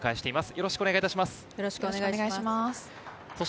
よろしくお願いします。